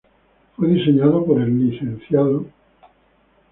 Fue diseñado por el Lic.